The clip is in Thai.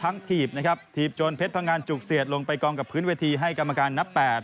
ออกแค่งเป็นใบเบล็กทาง